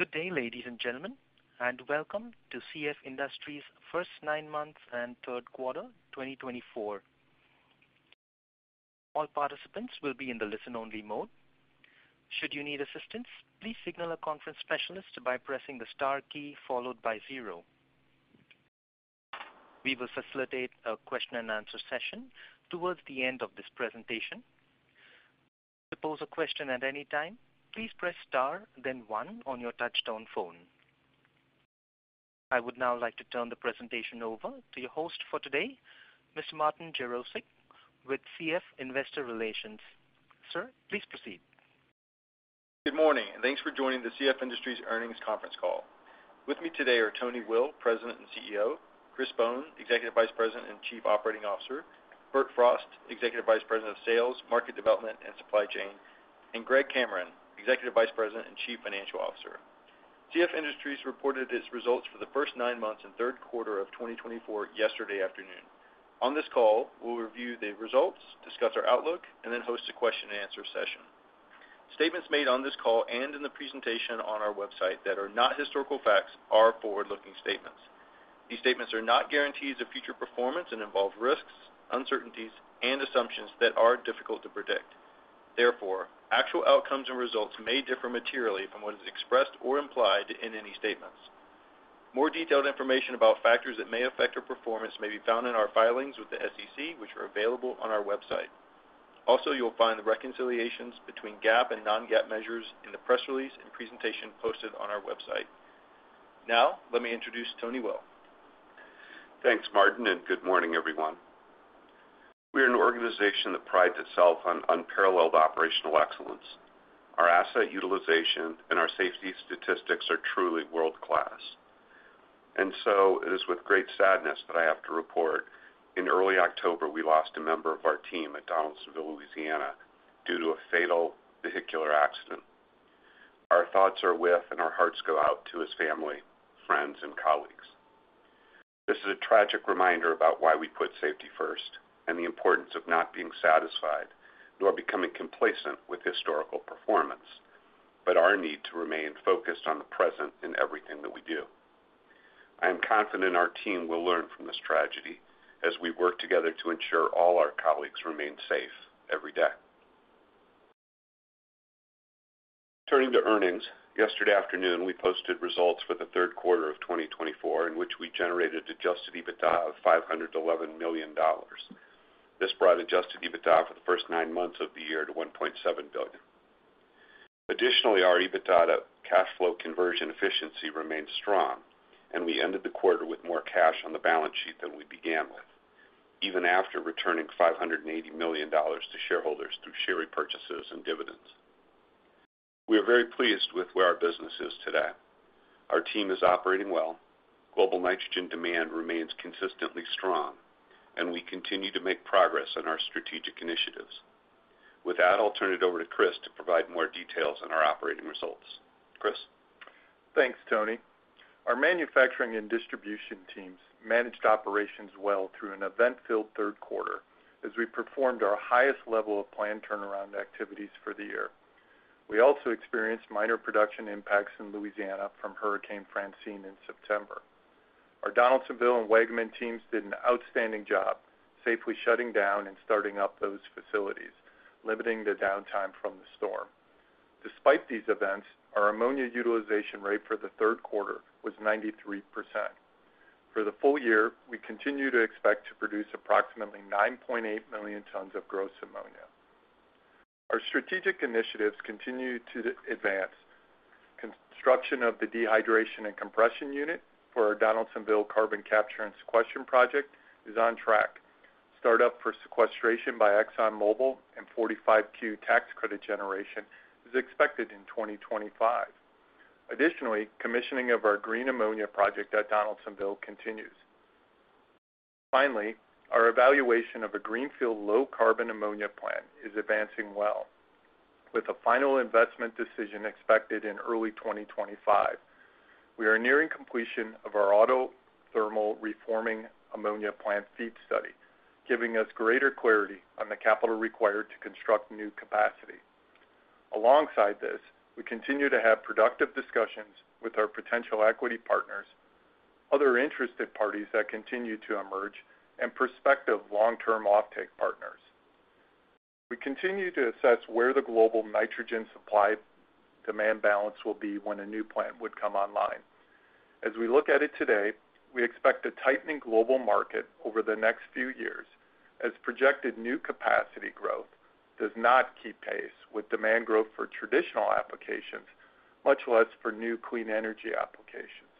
Good day, ladies and gentlemen, and welcome to CF Industries' first nine months and third quarter 2024. All participants will be in the listen-only mode. Should you need assistance, please signal a conference specialist by pressing the star key followed by zero. We will facilitate a question-and-answer session towards the end of this presentation. To pose a question at any time, please press star, then one on your touch-tone phone. I would now like to turn the presentation over to your host for today, Mr. Martin Jarosick, with CF Investor Relations. Sir, please proceed. Good morning, and thanks for joining the CF Industries' earnings conference call. With me today are Tony Will, President and CEO; Chris Bohn, Executive Vice President and Chief Operating Officer; Bert Frost, Executive Vice President of Sales, Market Development, and Supply Chain; and Greg Cameron, Executive Vice President and Chief Financial Officer. CF Industries reported its results for the first nine months and third quarter of 2024 yesterday afternoon. On this call, we'll review the results, discuss our outlook, and then host a question-and-answer session. Statements made on this call and in the presentation on our website that are not historical facts are forward-looking statements. These statements are not guarantees of future performance and involve risks, uncertainties, and assumptions that are difficult to predict. Therefore, actual outcomes and results may differ materially from what is expressed or implied in any statements. More detailed information about factors that may affect our performance may be found in our filings with the SEC, which are available on our website. Also, you'll find the reconciliations between GAAP and non-GAAP measures in the press release and presentation posted on our website. Now, let me introduce Tony Will. Thanks, Martin, and good morning, everyone. We are an organization that prides itself on unparalleled operational excellence. Our asset utilization and our safety statistics are truly world-class. And so, it is with great sadness that I have to report, in early October, we lost a member of our team at Donaldsonville, Louisiana, due to a fatal vehicular accident. Our thoughts are with, and our hearts go out to his family, friends, and colleagues. This is a tragic reminder about why we put safety first and the importance of not being satisfied nor becoming complacent with historical performance, but our need to remain focused on the present in everything that we do. I am confident our team will learn from this tragedy as we work together to ensure all our colleagues remain safe every day. Turning to earnings, yesterday afternoon, we posted results for the third quarter of 2024, in which we generated adjusted EBITDA of $511 million. This brought adjusted EBITDA for the first nine months of the year to $1.7 billion. Additionally, our EBITDA to cash flow conversion efficiency remained strong, and we ended the quarter with more cash on the balance sheet than we began with, even after returning $580 million to shareholders through share repurchases and dividends. We are very pleased with where our business is today. Our team is operating well, global nitrogen demand remains consistently strong, and we continue to make progress on our strategic initiatives. With that, I'll turn it over to Chris to provide more details on our operating results. Chris? Thanks, Tony. Our manufacturing and distribution teams managed operations well through an event-filled third quarter as we performed our highest level of planned turnaround activities for the year. We also experienced minor production impacts in Louisiana from Hurricane Francine in September. Our Donaldsonville and Waggaman teams did an outstanding job, safely shutting down and starting up those facilities, limiting the downtime from the storm. Despite these events, our ammonia utilization rate for the third quarter was 93%. For the full year, we continue to expect to produce approximately 9.8 million tons of gross ammonia. Our strategic initiatives continue to advance. Construction of the dehydration and compression unit for our Donaldsonville carbon capture and sequestration project is on track. Startup for sequestration by ExxonMobil and 45Q tax credit generation is expected in 2025. Additionally, commissioning of our green ammonia project at Donaldsonville continues. Finally, our evaluation of a greenfield low-carbon ammonia plant is advancing well, with a final investment decision expected in early 2025. We are nearing completion of our autothermal reforming ammonia plant feed study, giving us greater clarity on the capital required to construct new capacity. Alongside this, we continue to have productive discussions with our potential equity partners, other interested parties that continue to emerge, and prospective long-term offtake partners. We continue to assess where the global nitrogen supply demand balance will be when a new plant would come online. As we look at it today, we expect a tightening global market over the next few years, as projected new capacity growth does not keep pace with demand growth for traditional applications, much less for new clean energy applications.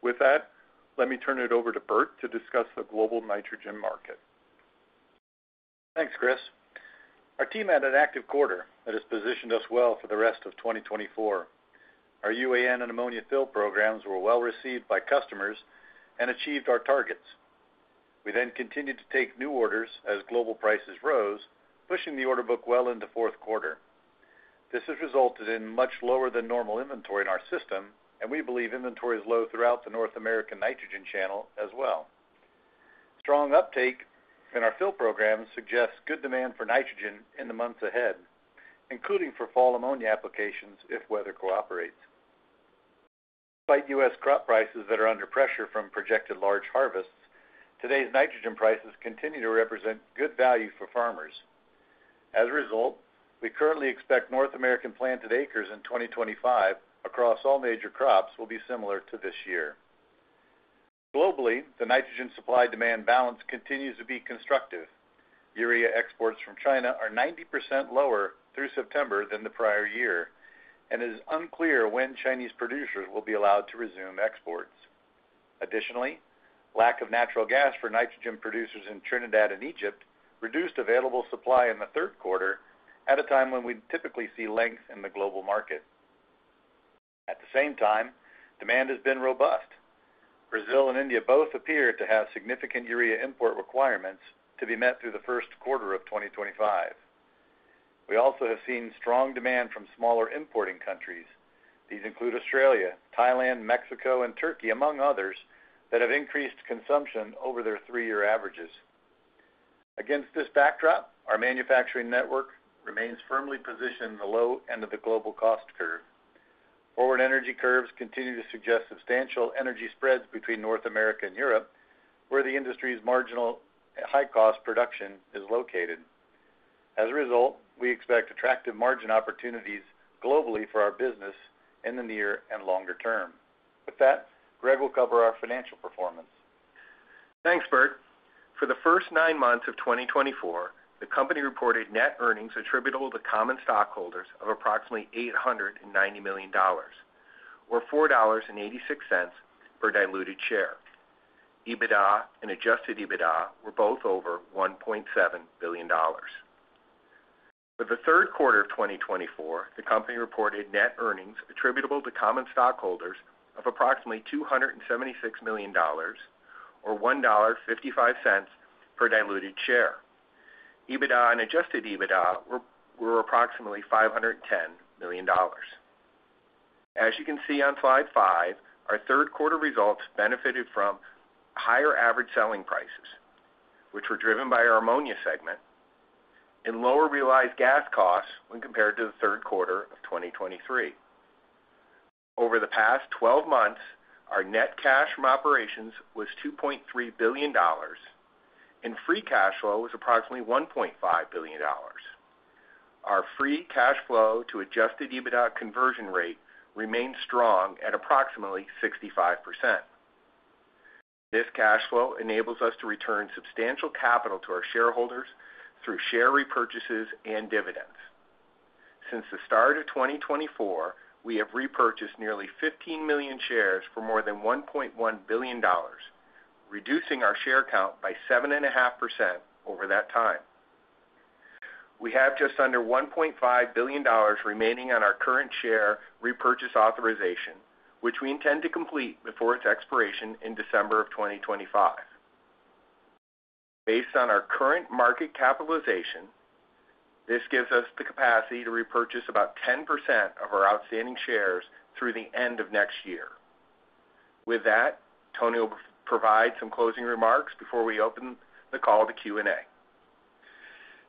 With that, let me turn it over to Bert to discuss the global nitrogen market. Thanks, Chris. Our team had an active quarter that has positioned us well for the rest of 2024. Our UAN and ammonia fill programs were well received by customers and achieved our targets. We then continued to take new orders as global prices rose, pushing the order book well into fourth quarter. This has resulted in much lower than normal inventory in our system, and we believe inventory is low throughout the North American nitrogen channel as well. Strong uptake in our fill programs suggests good demand for nitrogen in the months ahead, including for fall ammonia applications if weather cooperates. Despite U.S. crop prices that are under pressure from projected large harvests, today's nitrogen prices continue to represent good value for farmers. As a result, we currently expect North American planted acres in 2025 across all major crops will be similar to this year. Globally, the nitrogen supply demand balance continues to be constructive. Urea exports from China are 90% lower through September than the prior year, and it is unclear when Chinese producers will be allowed to resume exports. Additionally, lack of natural gas for nitrogen producers in Trinidad and Egypt reduced available supply in the third quarter at a time when we typically see length in the global market. At the same time, demand has been robust. Brazil and India both appear to have significant urea import requirements to be met through the first quarter of 2025. We also have seen strong demand from smaller importing countries. These include Australia, Thailand, Mexico, and Turkey, among others, that have increased consumption over their three-year averages. Against this backdrop, our manufacturing network remains firmly positioned in the low end of the global cost curve. Forward energy curves continue to suggest substantial energy spreads between North America and Europe, where the industry's marginal high-cost production is located. As a result, we expect attractive margin opportunities globally for our business in the near and longer term. With that, Greg will cover our financial performance. Thanks, Bert. For the first nine months of 2024, the company reported net earnings attributable to common stockholders of approximately $890 million, or $4.86 per diluted share. EBITDA and adjusted EBITDA were both over $1.7 billion. For the third quarter of 2024, the company reported net earnings attributable to common stockholders of approximately $276 million, or $1.55 per diluted share. EBITDA and adjusted EBITDA were approximately $510 million. As you can see on slide five, our third quarter results benefited from higher average selling prices, which were driven by our ammonia segment, and lower realized gas costs when compared to the third quarter of 2023. Over the past 12 months, our net cash from operations was $2.3 billion, and free cash flow was approximately $1.5 billion. Our free cash flow to adjusted EBITDA conversion rate remained strong at approximately 65%. This cash flow enables us to return substantial capital to our shareholders through share repurchases and dividends. Since the start of 2024, we have repurchased nearly 15 million shares for more than $1.1 billion, reducing our share count by 7.5% over that time. We have just under $1.5 billion remaining on our current share repurchase authorization, which we intend to complete before its expiration in December of 2025. Based on our current market capitalization, this gives us the capacity to repurchase about 10% of our outstanding shares through the end of next year. With that, Tony will provide some closing remarks before we open the call to Q&A.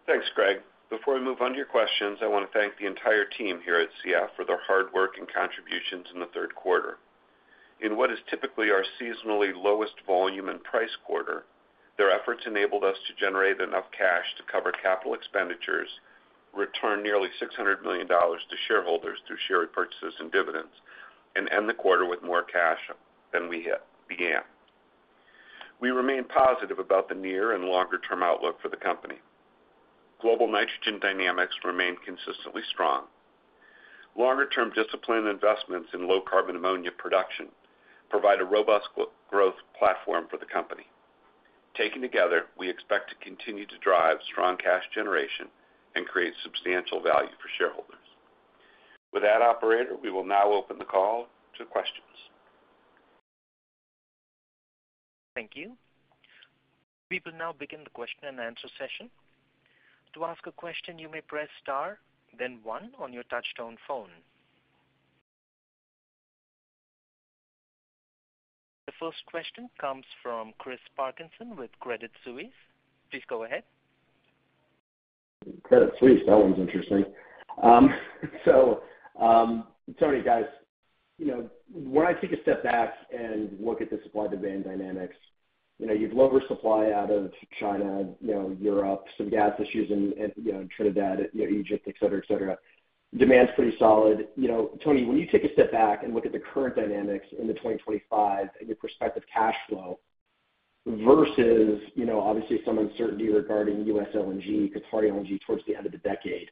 Thanks, Greg. Before we move on to your questions, I want to thank the entire team here at CF for their hard work and contributions in the third quarter. In what is typically our seasonally lowest volume and price quarter, their efforts enabled us to generate enough cash to cover capital expenditures, return nearly $600 million to shareholders through share repurchases and dividends, and end the quarter with more cash than we began. We remain positive about the near and longer-term outlook for the company. Global nitrogen dynamics remain consistently strong. Longer-term disciplined investments in low-carbon ammonia production provide a robust growth platform for the company. Taken together, we expect to continue to drive strong cash generation and create substantial value for shareholders. With that, operator, we will now open the call to questions. Thank you. We will now begin the question-and-answer session. To ask a question, you may press star, then one on your touch-stone phone. The first question comes from Chris Parkinson with Credit Suisse. Please go ahead. Credit Suisse, that one is interesting. So, Tony, guys, when I take a step back and look at the supply-demand dynamics, you have lower supply out of China, Europe, some gas issues in Trinidad, Egypt, etc., etc. Demand's pretty solid. Tony, when you take a step back and look at the current dynamics in 2025 and your prospective cash flow versus, obviously, some uncertainty regarding U.S. LNG, Qatari LNG towards the end of the decade,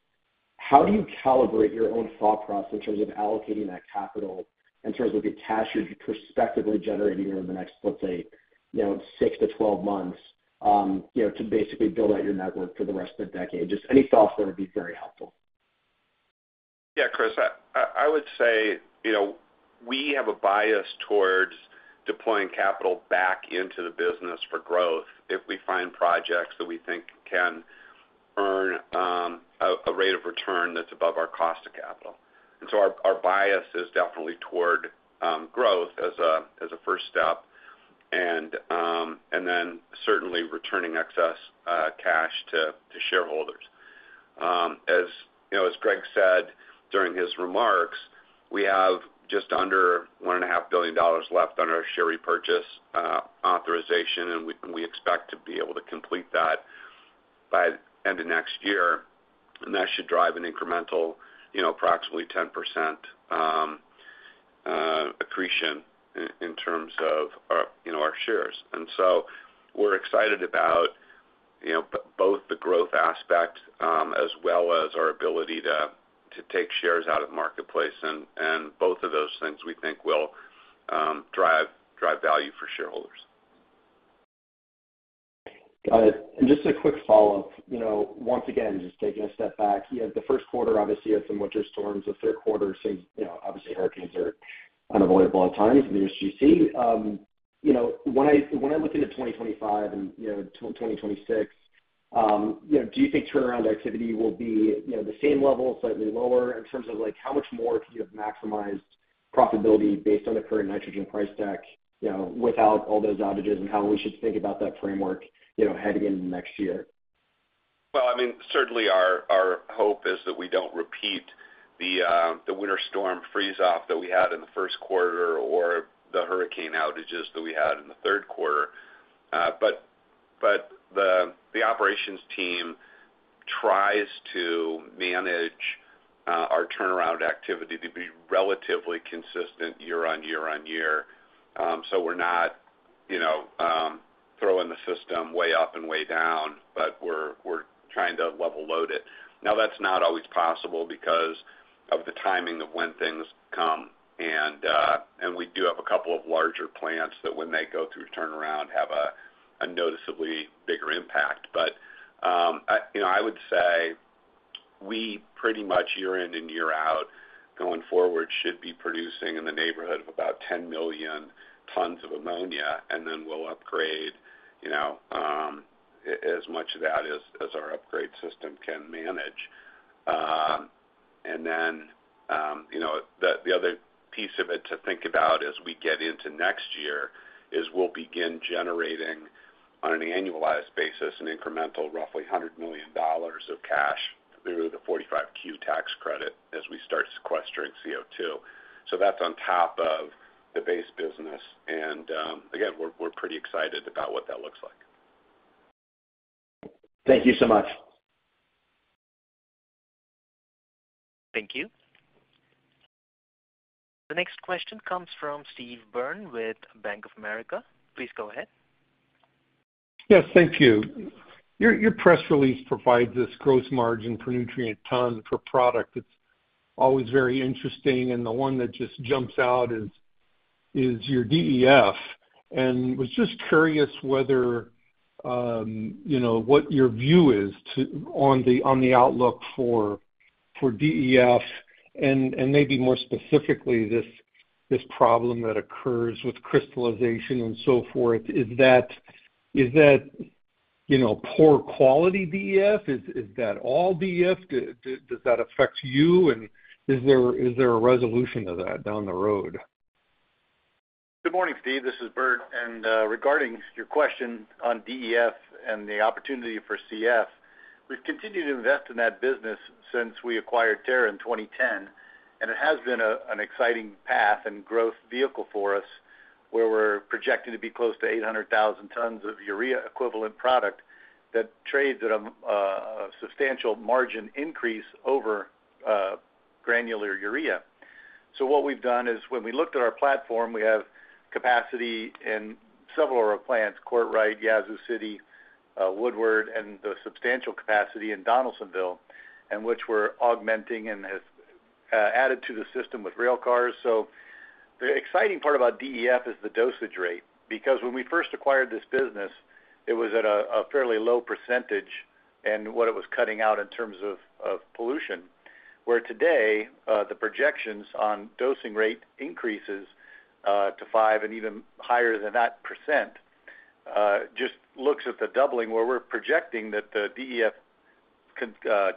how do you calibrate your own thought process in terms of allocating that capital in terms of the cash you're prospectively generating over the next, let's say, six to 12 months to basically build out your network for the rest of the decade? Just any thoughts there would be very helpful. Yeah, Chris, I would say we have a bias towards deploying capital back into the business for growth if we find projects that we think can earn a rate of return that's above our cost of capital. And so our bias is definitely toward growth as a first step, and then certainly returning excess cash to shareholders. As Greg said during his remarks, we have just under $1.5 billion left on our share repurchase authorization, and we expect to be able to complete that by the end of next year. And that should drive an incremental approximately 10% accretion in terms of our shares. And so we're excited about both the growth aspect as well as our ability to take shares out of the marketplace. And both of those things we think will drive value for shareholders. Got it. And just a quick follow-up. Once again, just taking a step back, the first quarter, obviously, had some winter storms. The third quarter, obviously, hurricanes are unavoidable at times in the USGC. When I look into 2025 and 2026, do you think turnaround activity will be the same level, slightly lower, in terms of how much more can you have maximized profitability based on the current nitrogen price deck without all those outages, and how we should think about that framework heading into next year? Well, I mean, certainly, our hope is that we don't repeat the winter storm freeze-off that we had in the first quarter or the hurricane outages that we had in the third quarter. But the operations team tries to manage our turnaround activity to be relatively consistent year on year on year. So we're not throwing the system way up and way down, but we're trying to level load it. Now, that's not always possible because of the timing of when things come. And we do have a couple of larger plants that, when they go through turnaround, have a noticeably bigger impact. But I would say we pretty much year in and year out going forward should be producing in the neighborhood of about 10 million tons of ammonia, and then we'll upgrade as much of that as our upgrade system can manage. And then the other piece of it to think about as we get into next year is we'll begin generating on an annualized basis an incremental roughly $100 million of cash through the 45Q tax credit as we start sequestering CO2. So that's on top of the base business. And again, we're pretty excited about what that looks like. Thank you so much. Thank you. The next question comes from Steve Byrne with Bank of America. Please go ahead. Yes, thank you. Your press release provides this gross margin per nutrient ton for product. It's always very interesting, and the one that just jumps out is your DEF, and I was just curious what your view is on the outlook for DEF and maybe more specifically this problem that occurs with crystallization and so forth. Is that poor quality DEF? Is that all DEF? Does that affect you? And is there a resolution to that down the road? Good morning, Steve. This is Bert. And regarding your question on DEF and the opportunity for CF, we've continued to invest in that business since we acquired Terra in 2010. And it has been an exciting path and growth vehicle for us where we're projected to be close to 800,000 tons of urea-equivalent product that trades at a substantial margin increase over granular urea. So what we've done is when we looked at our platform, we have capacity in several of our plants: Courtright, Yazoo City, Woodward, and the substantial capacity in Donaldsonville, which we're augmenting and added to the system with rail cars. So the exciting part about DEF is the dosage rate. Because when we first acquired this business, it was at a fairly low percentage in what it was cutting out in terms of pollution. Whereas today, the projections on dosing rate increases to 5% and even higher than that % just looks at the doubling where we're projecting that the DEF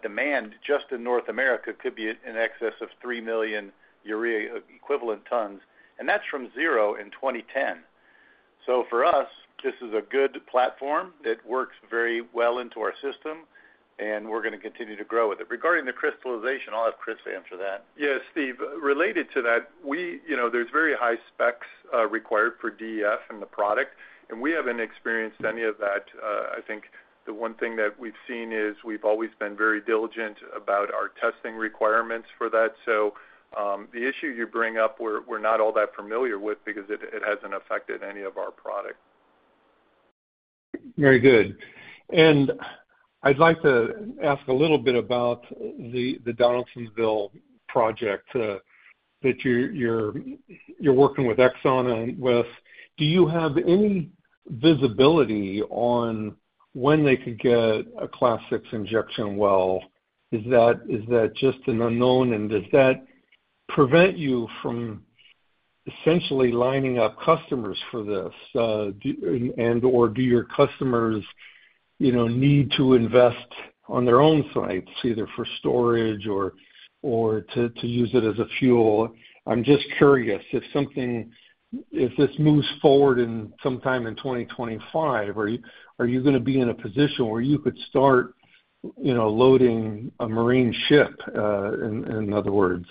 demand just in North America could be in excess of 3 million urea-equivalent tons. And that's from zero in 2010. So for us, this is a good platform that works very well into our system, and we're going to continue to grow with it. Regarding the crystallization, I'll have Chris answer that. Yeah, Steve, related to that, there's very high specs required for DEF and the product. And we haven't experienced any of that. I think the one thing that we've seen is we've always been very diligent about our testing requirements for that. So the issue you bring up, we're not all that familiar with, because it hasn't affected any of our product. Very good. And I'd like to ask a little bit about the Donaldsonville project that you're working with Exxon and with. Do you have any visibility on when they could get a Class VI injection well? Is that just an unknown? And does that prevent you from essentially lining up customers for this? And/or do your customers need to invest on their own sites either for storage or to use it as a fuel? I'm just curious if this moves forward sometime in 2025, are you going to be in a position where you could start loading a marine ship, in other words?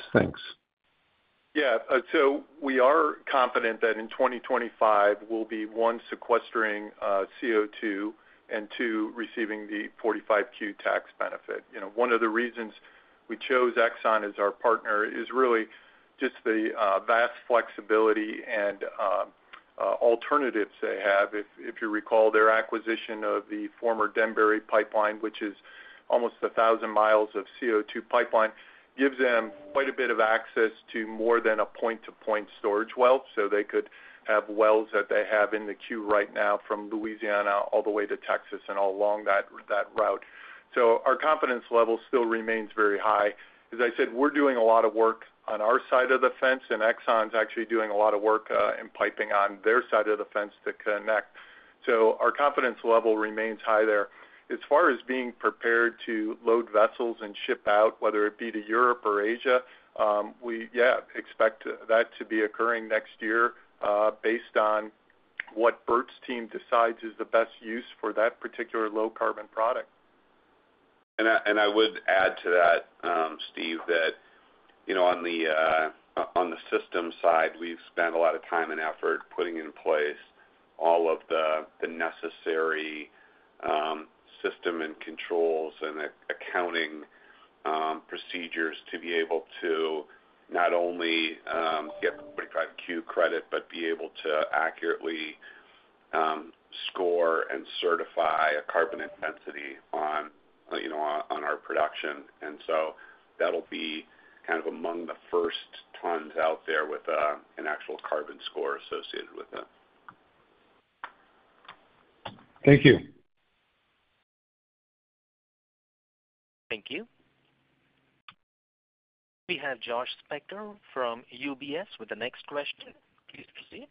Thanks. Yeah. So we are confident that in 2025, we'll be one, sequestering CO2, and two, receiving the 45Q tax benefit. One of the reasons we chose Exxon as our partner is really just the vast flexibility and alternatives they have. If you recall, their acquisition of the former Denbury pipeline, which is almost 1,000 miles of CO2 pipeline, gives them quite a bit of access to more than a point-to-point storage well. So they could have wells that they have in the queue right now from Louisiana all the way to Texas and all along that route. So our confidence level still remains very high. As I said, we're doing a lot of work on our side of the fence, and Exxon's actually doing a lot of work in piping on their side of the fence to connect. So our confidence level remains high there. As far as being prepared to load vessels and ship out, whether it be to Europe or Asia, we expect that to be occurring next year based on what Bert's team decides is the best use for that particular low-carbon product. And I would add to that, Steve, that on the system side, we've spent a lot of time and effort putting in place all of the necessary systems and controls and accounting procedures to be able to not only get 45Q credit but be able to accurately score and certify a carbon intensity on our production. And so that'll be kind of among the first tons out there with an actual carbon score associated with it. Thank you. Thank you. We have Josh Spector from UBS with the next question. Please proceed.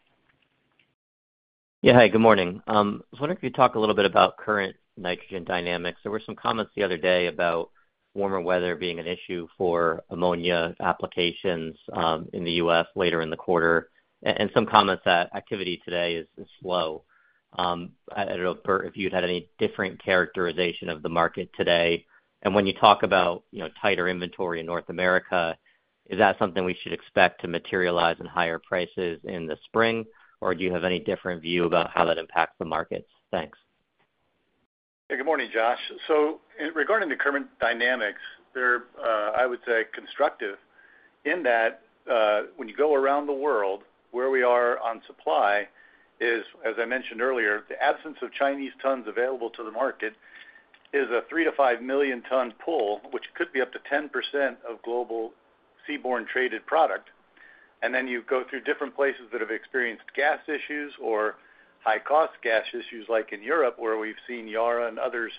Yeah, hi. Good morning. I was wondering if you could talk a little bit about current nitrogen dynamics. There were some comments the other day about warmer weather being an issue for ammonia applications in the U.S. later in the quarter and some comments that activity today is slow. I don't know, Bert, if you'd had any different characterization of the market today. And when you talk about tighter inventory in North America, is that something we should expect to materialize in higher prices in the spring? Or do you have any different view about how that impacts the markets? Thanks. Yeah, good morning, Josh. So, regarding the current dynamics, they're, I would say, constructive in that when you go around the world, where we are on supply is, as I mentioned earlier, the absence of Chinese tons available to the market is a three to five million-ton pool, which could be up to 10% of global seaborne traded product. And then you go through different places that have experienced gas issues or high-cost gas issues, like in Europe where we've seen Yara and others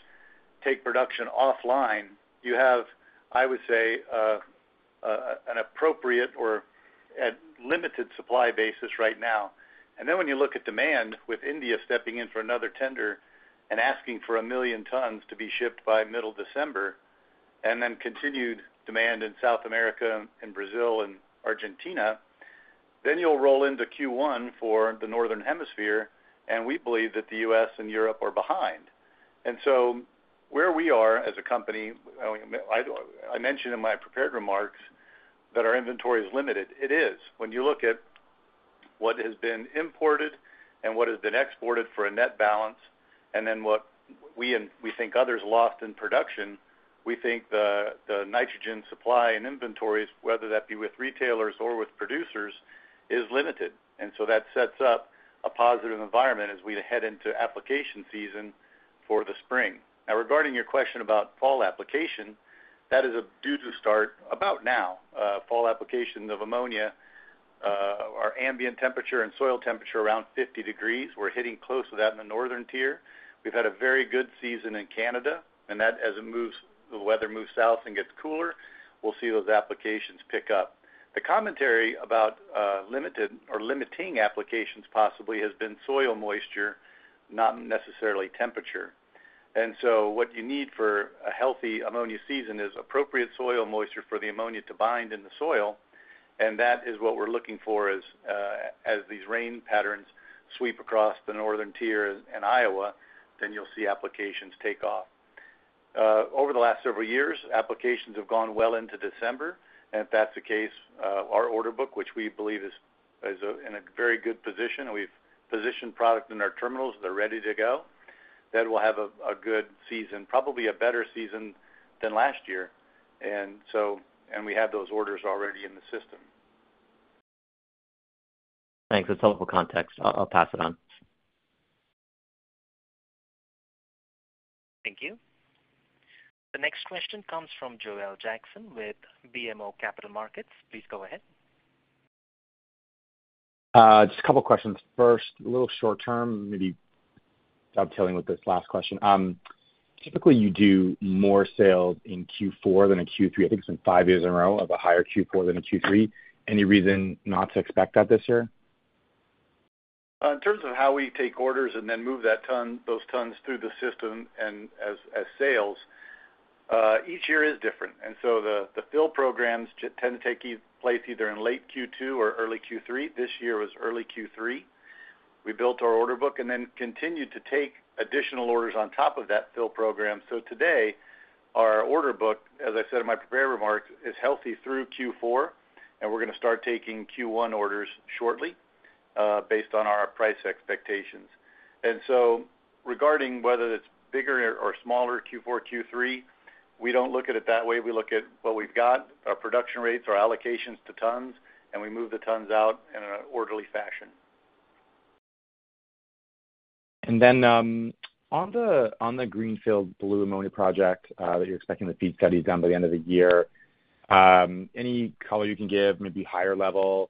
take production offline. You have, I would say, an appropriate or a limited supply basis right now. And then when you look at demand with India stepping in for another tender and asking for a million tons to be shipped by middle December and then continued demand in South America, Brazil, and Argentina, then you'll roll into Q1 for the northern hemisphere, and we believe that the U.S. and Europe are behind. And so where we are as a company, I mentioned in my prepared remarks that our inventory is limited. It is. When you look at what has been imported and what has been exported for a net balance and then what we and we think others lost in production, we think the nitrogen supply and inventories, whether that be with retailers or with producers, is limited. And so that sets up a positive environment as we head into application season for the spring. Now, regarding your question about fall application, that is due to start about now. Fall applications of ammonia are ambient temperature and soil temperature around 50 degrees Fahrenheit. We're hitting close to that in the northern tier. We've had a very good season in Canada. And as the weather moves south and gets cooler, we'll see those applications pick up. The commentary about limited or limiting applications possibly has been soil moisture, not necessarily temperature. And so what you need for a healthy ammonia season is appropriate soil moisture for the ammonia to bind in the soil. And that is what we're looking for as these rain patterns sweep across the northern tier in Iowa, then you'll see applications take off. Over the last several years, applications have gone well into December. If that's the case, our order book, which we believe is in a very good position. We've positioned product in our terminals. They're ready to go. That will have a good season, probably a better season than last year, and we have those orders already in the system. Thanks. That's helpful context. I'll pass it on. Thank you. The next question comes from Joel Jackson with BMO Capital Markets. Please go ahead. Just a couple of questions. First, a little short-term, maybe dovetailing with this last question. Typically, you do more sales in Q4 than in Q3. I think it's been five years in a row of a higher Q4 than a Q3. Any reason not to expect that this year? In terms of how we take orders and then move those tons through the system and as sales, each year is different, and so the fill programs tend to take place either in late Q2 or early Q3. This year was early Q3. We built our order book and then continued to take additional orders on top of that fill program, so today, our order book, as I said in my prepared remarks, is healthy through Q4, and we're going to start taking Q1 orders shortly based on our price expectations, and so regarding whether it's bigger or smaller Q4, Q3, we don't look at it that way. We look at what we've got, our production rates, our allocations to tons, and we move the tons out in an orderly fashion. And then, on the greenfield blue ammonia project that you're expecting the FEED studies done by the end of the year, any color you can give? Maybe higher level,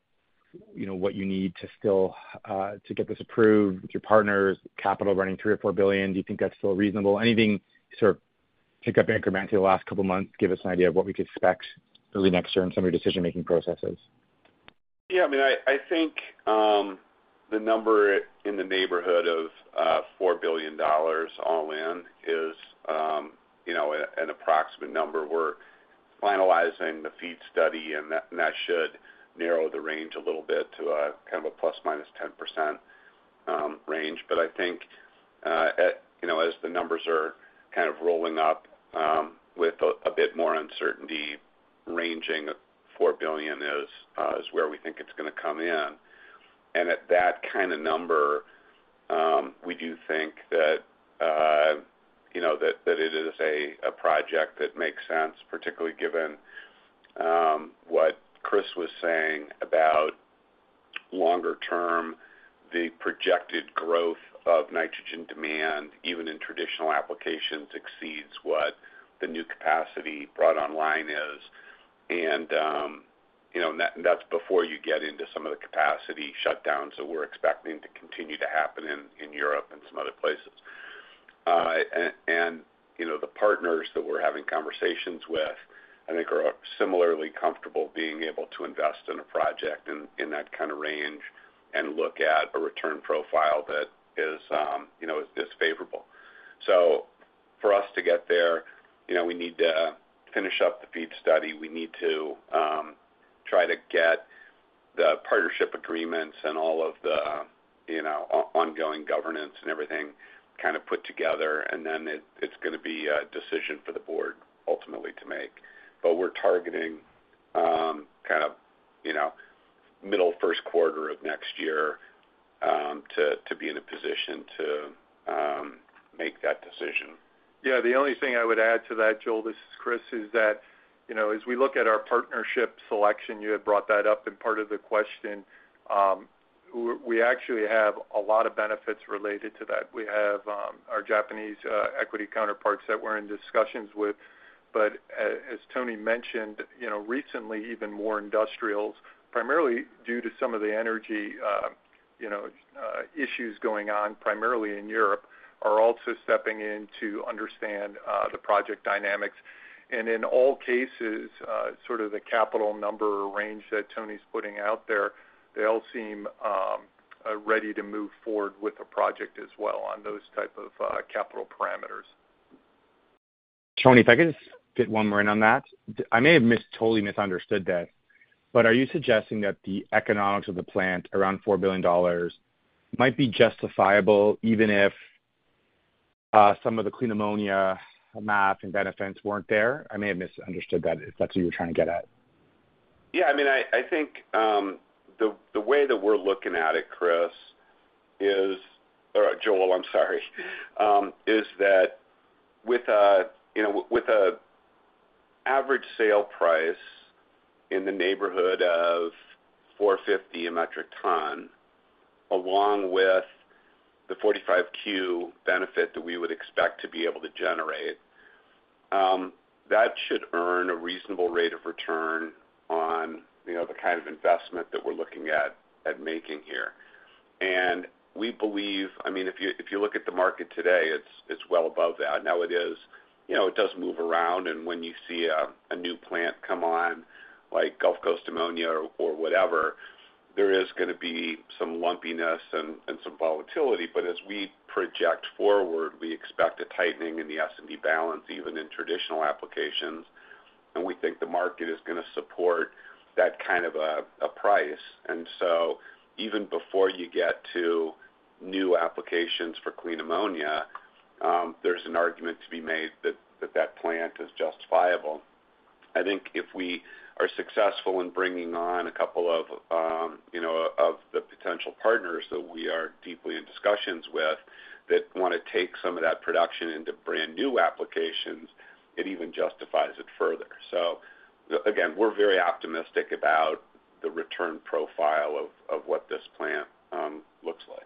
what you need to get this approved with your partners, capital running $3-$4 billion, do you think that's still reasonable? Anything sort of pick up incrementally the last couple of months? Give us an idea of what we could expect early next year in some of your decision-making processes? Yeah. I mean, I think the number in the neighborhood of $4 billion all in is an approximate number. We're finalizing the FEED study, and that should narrow the range a little bit to kind of a ±10% range. But I think as the numbers are kind of rolling up with a bit more uncertainty, ranging at $4 billion is where we think it's going to come in. And at that kind of number, we do think that it is a project that makes sense, particularly given what Chris was saying about longer-term, the projected growth of nitrogen demand, even in traditional applications, exceeds what the new capacity brought online is. And that's before you get into some of the capacity shutdowns that we're expecting to continue to happen in Europe and some other places. And the partners that we're having conversations with, I think, are similarly comfortable being able to invest in a project in that kind of range and look at a return profile that is favorable. So for us to get there, we need to finish up the FEED study. We need to try to get the partnership agreements and all of the ongoing governance and everything kind of put together. And then it's going to be a decision for the board ultimately to make. But we're targeting kind of middle first quarter of next year to be in a position to make that decision. Yeah. The only thing I would add to that, Joel, this is Chris, is that as we look at our partnership selection, you had brought that up in part of the question, we actually have a lot of benefits related to that. We have our Japanese equity counterparts that we're in discussions with. But as Tony mentioned, recently, even more industrials, primarily due to some of the energy issues going on primarily in Europe, are also stepping in to understand the project dynamics. And in all cases, sort of the capital number range that Tony's putting out there, they all seem ready to move forward with a project as well on those type of capital parameters. Tony, if I could just fit one more in on that. I may have totally misunderstood this, but are you suggesting that the economics of the plant around $4 billion might be justifiable even if some of the clean ammonia math and benefits weren't there? I may have misunderstood that if that's what you were trying to get at. Yeah. I mean, I think the way that we're looking at it, Chris, is or Joel, I'm sorry, is that with an average sale price in the neighborhood of $450 a metric ton, along with the 45Q benefit that we would expect to be able to generate, that should earn a reasonable rate of return on the kind of investment that we're looking at making here. And we believe, I mean, if you look at the market today, it's well above that. Now, it does move around. And when you see a new plant come on, like Gulf Coast Ammonia or whatever, there is going to be some lumpiness and some volatility. But as we project forward, we expect a tightening in the S&D balance, even in traditional applications. And we think the market is going to support that kind of a price. And so even before you get to new applications for clean ammonia, there's an argument to be made that that plant is justifiable. I think if we are successful in bringing on a couple of the potential partners that we are deeply in discussions with that want to take some of that production into brand new applications, it even justifies it further. So again, we're very optimistic about the return profile of what this plant looks like.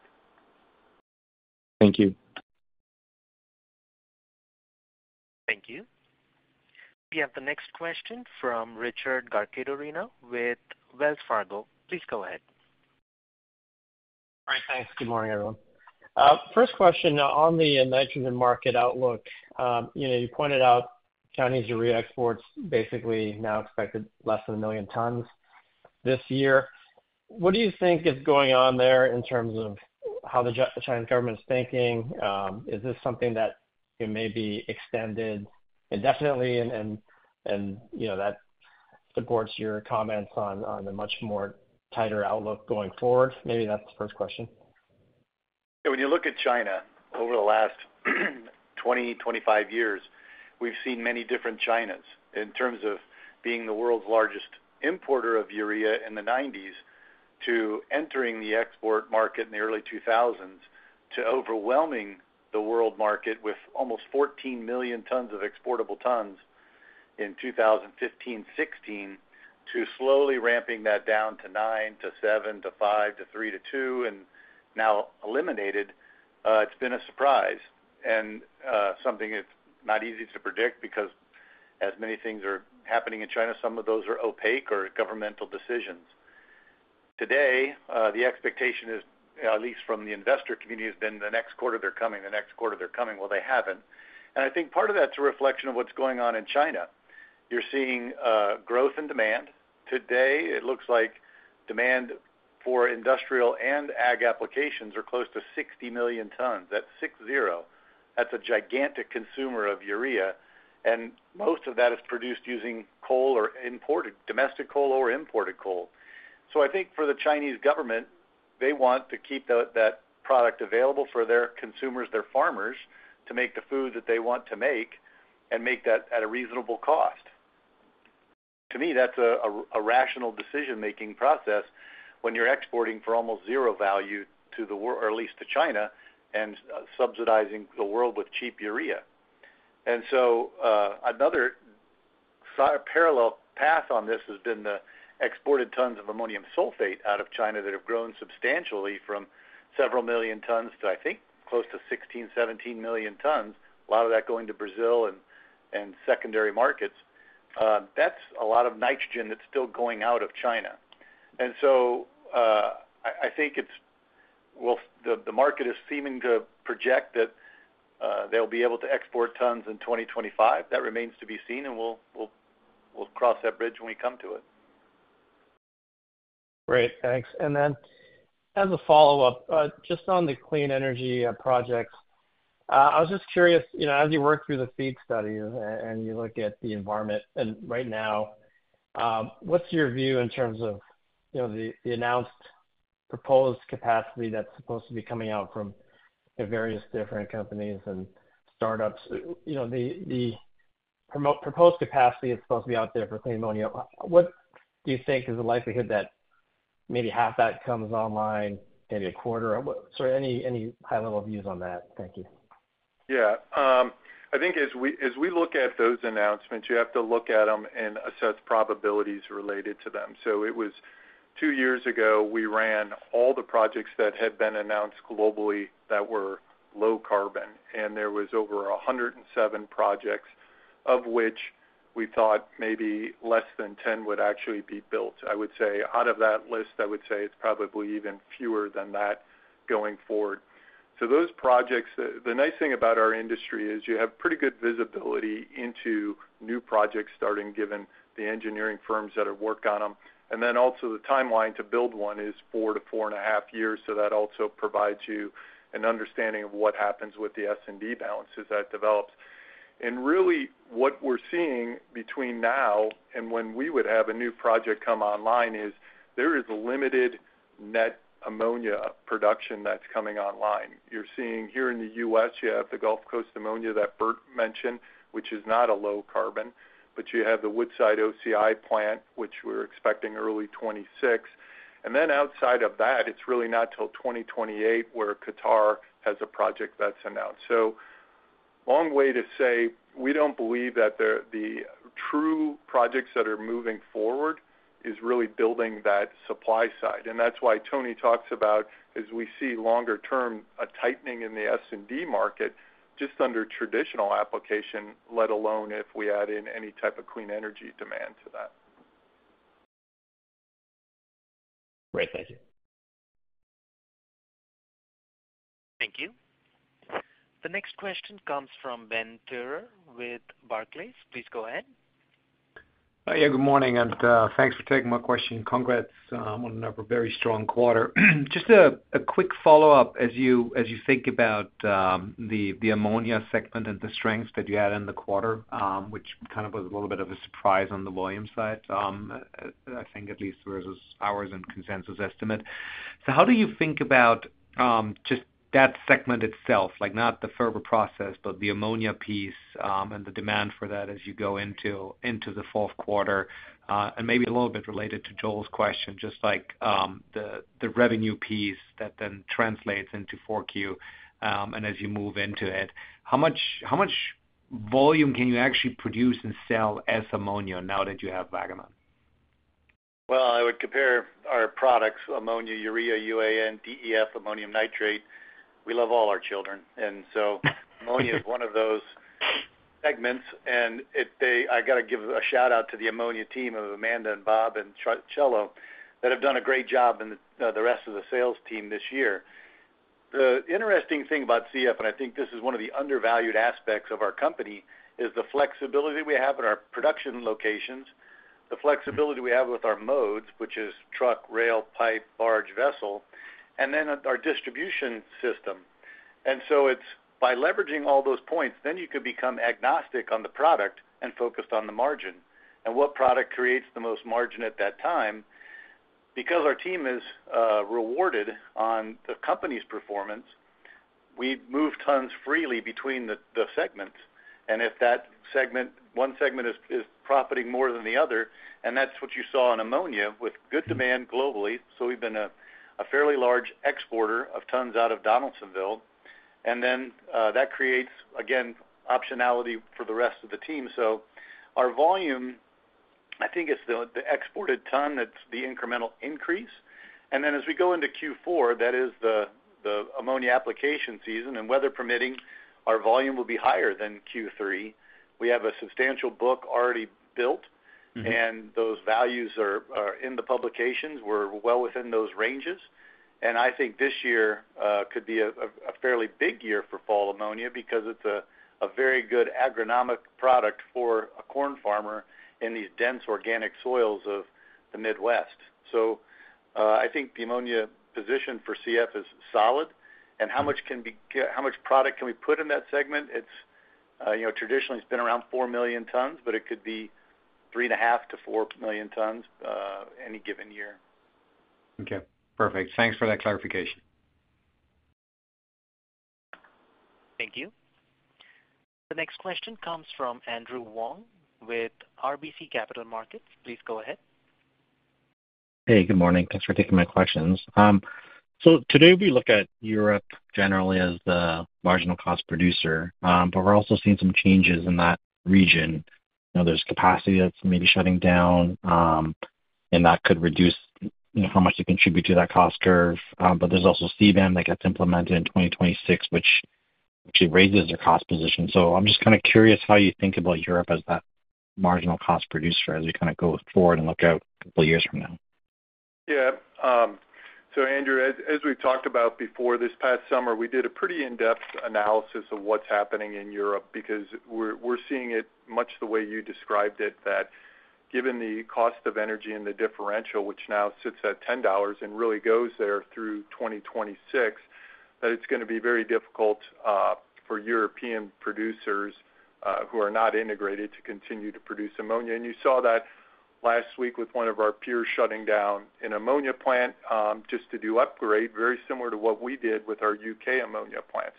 Thank you. Thank you. We have the next question from Richard Garchitorena with Wells Fargo. Please go ahead. All right. Thanks. Good morning, everyone. First question on the nitrogen market outlook. You pointed out Chinese re-exports basically now expected less than a million tons this year. What do you think is going on there in terms of how the Chinese government is thinking? Is this something that may be extended indefinitely? And that supports your comments on a much more tighter outlook going forward. Maybe that's the first question. Yeah. When you look at China over the last 20, 25 years, we've seen many different Chinas in terms of being the world's largest importer of urea in the '90s to entering the export market in the early 2000s to overwhelming the world market with almost 14 million tons of exportable tons in 2015, 2016 to slowly ramping that down to 9 to 7 to 5 to 3 to 2 million tons and now eliminated. It's been a surprise, and something it's not easy to predict because, as many things are happening in China, some of those are opaque or governmental decisions. Today, the expectation is, at least from the investor community, has been the next quarter they're coming, the next quarter they're coming. Well, they haven't. And I think part of that's a reflection of what's going on in China. You're seeing growth in demand. Today, it looks like demand for industrial and ag applications are close to 60 million tons. That's 60. That's a gigantic consumer of urea. And most of that is produced using coal or imported domestic coal or imported coal. So I think for the Chinese government, they want to keep that product available for their consumers, their farmers to make the food that they want to make and make that at a reasonable cost. To me, that's a rational decision-making process when you're exporting for almost zero value to the world or at least to China and subsidizing the world with cheap urea. And so another parallel path on this has been the exported tons of ammonium sulfate out of China that have grown substantially from several million tons to, I think, close to 16 million tons-17 million tons, a lot of that going to Brazil and secondary markets. That's a lot of nitrogen that's still going out of China, and so I think the market is seeming to project that they'll be able to export tons in 2025. That remains to be seen, and we'll cross that bridge when we come to it. Great. Thanks. And then as a follow-up, just on the clean energy projects, I was just curious, as you work through the FEED study and you look at the environment right now, what's your view in terms of the announced proposed capacity that's supposed to be coming out from various different companies and startups? The proposed capacity is supposed to be out there for clean ammonia. What do you think is the likelihood that maybe half that comes online, maybe a quarter? Sort of any high-level views on that? Thank you. Yeah. I think as we look at those announcements, you have to look at them and assess probabilities related to them. So it was two years ago, we ran all the projects that had been announced globally that were low carbon. And there was over 107 projects, of which we thought maybe less than 10 would actually be built. I would say out of that list, I would say it's probably even fewer than that going forward. So those projects, the nice thing about our industry is you have pretty good visibility into new projects starting, given the engineering firms that have worked on them. And then also the timeline to build one is four to four and a half years. So that also provides you an understanding of what happens with the S&D balance as that develops. And really what we're seeing between now and when we would have a new project come online is there is a limited net ammonia production that's coming online. You're seeing here in the U.S., you have the Gulf Coast Ammonia that Bert mentioned, which is not a low carbon, but you have the Woodside OCI plant, which we're expecting early 2026. And then outside of that, it's really not till 2028 where Qatar has a project that's announced. So long way to say, we don't believe that the true projects that are moving forward is really building that supply side. And that's why Tony talks about as we see longer-term a tightening in the S&D market just under traditional application, let alone if we add in any type of clean energy demand to that. Great. Thank you. Thank you. The next question comes from Ben Theurer with Barclays. Please go ahead. Yeah. Good morning. And thanks for taking my question. Congrats on a very strong quarter. Just a quick follow-up, as you think about the ammonia segment and the strength that you had in the quarter, which kind of was a little bit of a surprise on the volume side, I think at least versus ours and consensus estimate. So how do you about just that segment itself, not the fervor process, but the ammonia piece and the demand for that as you go into the fourth quarter? And maybe a little bit related to Joel's question, just like the revenue piece that then translates into 4Q and as you move into it, how much volume can you actually produce and sell as ammonia now that you have Waggaman? Well, I would compare our products, ammonia, urea, UAN, DEF, ammonium nitrate. We love all our children. And so ammonia is one of those segments. And I got to give a shout-out to the ammonia team of Amanda and Bob and Chello that have done a great job in the rest of the sales team this year. The interesting thing about CF, and I think this is one of the undervalued aspects of our company, is the flexibility that we have in our production locations, the flexibility we have with our modes, which is truck, rail, pipe, barge, vessel, and then our distribution system. And so by leveraging all those points, then you could become agnostic on the product and focused on the margin. And what product creates the most margin at that time? Because our team is rewarded on the company's performance, we move tons freely between the segments. And if that segment, one segment is profiting more than the other, and that's what you saw in ammonia with good demand globally. So we've been a fairly large exporter of tons out of Donaldsonville. And then that creates, again, optionality for the rest of the team. So our volume, I think it's the exported ton that's the incremental increase. And then as we go into Q4, that is the ammonia application season. And weather permitting, our volume will be higher than Q3. We have a substantial book already built. And those values are in the publications. We're well within those ranges. And I think this year could be a fairly big year for fall ammonia because it's a very good agronomic product for a corn farmer in these dense organic soils of the Midwest. So I think the ammonia position for CF is solid. How much product can we put in that segment? Traditionally, it's been around 4 million tons, but it could be 3.5 million tons-4 million tons any given year. Okay. Perfect. Thanks for that clarification. Thank you. The next question comes from Andrew Wong with RBC Capital Markets. Please go ahead. Hey. Good morning. Thanks for taking my questions. So today we look at Europe generally as the marginal cost producer, but we're also seeing some changes in that region. There's capacity that's maybe shutting down, and that could reduce how much you contribute to that cost curve. But there's also CBAM that gets implemented in 2026, which actually raises your cost position. So I'm just kind of curious how you think about Europe as that marginal cost producer as we kind of go forward and look out a couple of years from now. Yeah. So Andrew, as we talked about before this past summer, we did a pretty in-depth analysis of what's happening in Europe because we're seeing it much the way you described it, that given the cost of energy and the differential, which now sits at $10 and really goes there through 2026, that it's going to be very difficult for European producers who are not integrated to continue to produce ammonia. And you saw that last week with one of our peers shutting down an ammonia plant just to do upgrade, very similar to what we did with our U.K. ammonia plants.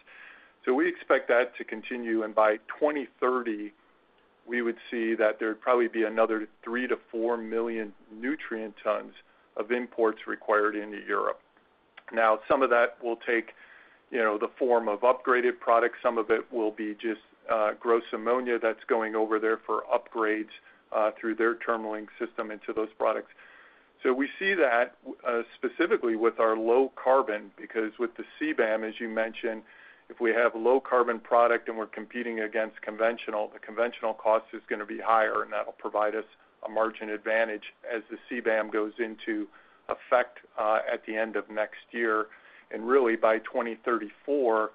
So we expect that to continue. And by 2030, we would see that there would probably be another 3 million nutrient tons-4 million nutrient tons of imports required into Europe. Now, some of that will take the form of upgraded products. Some of it will be just grey ammonia that's going over there for upgrades through their terminaling system into those products, so we see that specifically with our low carbon because with the CBAM, as you mentioned, if we have a low carbon product and we're competing against conventional, the conventional cost is going to be higher, and that'll provide us a margin advantage as the CBAM goes into effect at the end of next year, and really by 2034,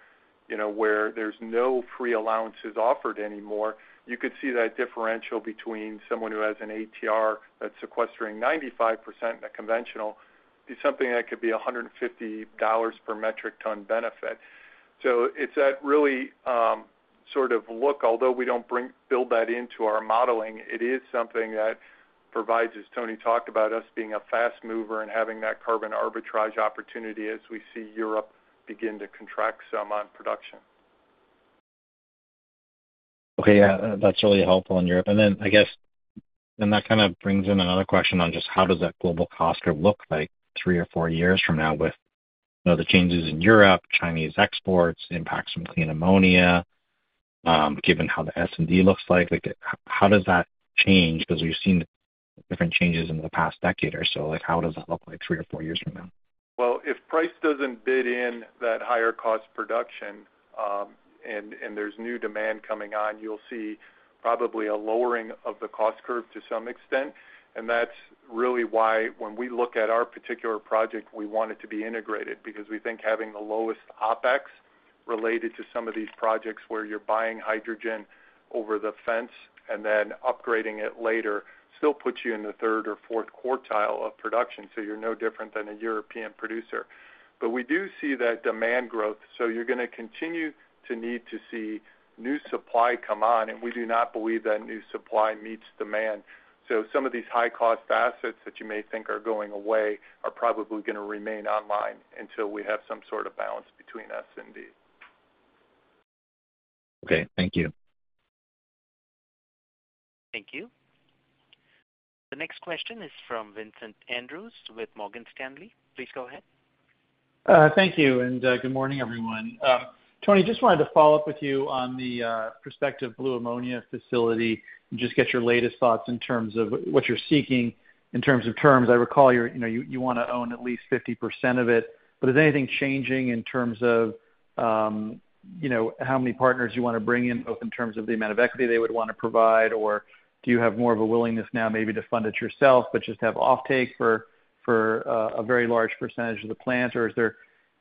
where there's no free allowances offered anymore, you could see that differential between someone who has an ATR that's sequestering 95% in a conventional be something that could be $150 per metric ton benefit. So it's that really sort of look, although we don't build that into our modeling, it is something that provides, as Tony Will talked about, us being a fast mover and having that carbon arbitrage opportunity as we see Europe begin to contract some on production. Okay. Yeah. That's really helpful in Europe. And then I guess that kind of brings in another question on just how does that global cost curve look like three or four years from now with the changes in Europe, Chinese exports, impacts from clean ammonia, given how the S&D looks like. How does that change? Because we've seen different changes in the past decade or so. How does it look like three or four years from now? Well, if price doesn't build in that higher cost production and there's new demand coming on, you'll see probably a lowering of the cost curve to some extent. And that's really why when we look at our particular project, we want it to be integrated because we think having the lowest OpEx related to some of these projects where you're buying hydrogen over the fence and then upgrading it later still puts you in the third or fourth quartile of production. So you're no different than a European producer. But we do see that demand growth. So you're going to continue to need to see new supply come on. And we do not believe that new supply meets demand. So some of these high-cost assets that you may think are going away are probably going to remain online until we have some sort of balance between S&D. Okay. Thank you. Thank you. The next question is from Vincent Andrews with Morgan Stanley. Please go ahead. Thank you. Good morning, everyone. Tony, just wanted to follow up with you on the prospective blue ammonia facility and just get your latest thoughts in terms of what you're seeking in terms of terms. I recall you want to own at least 50% of it. Is anything changing in terms of how many partners you want to bring in, both in terms of the amount of equity they would want to provide, or do you have more of a willingness now maybe to fund it yourself but just have offtake for a very large percentage of the plant?